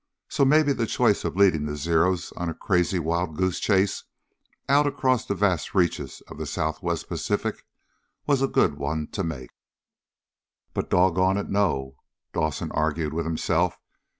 So maybe the choice of leading the Zeros on a crazy wild goose chase out across the vast reaches of the Southwest Pacific was a good one to make. "But, doggone it, no!" Dawson argued with himself.